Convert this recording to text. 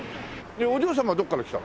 お嬢様はどこから来たの？